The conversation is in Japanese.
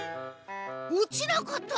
落ちなかった！